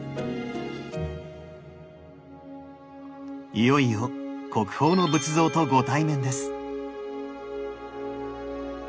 いよいよ国宝の仏像とご対面です。